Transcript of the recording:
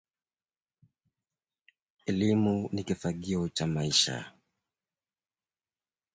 In more detail, let "X" and "Y" be topological spaces.